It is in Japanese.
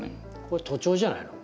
これ徒長じゃないの？